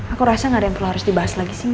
aku rasa gak ada yang perlu harus dibahas lagi sih